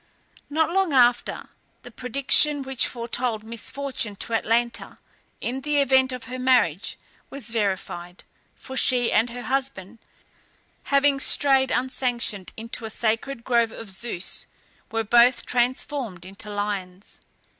Not long after, the prediction which foretold misfortune to Atalanta, in the event of her marriage, was verified, for she and her husband, having strayed unsanctioned into a sacred grove of Zeus, were both transformed into lions.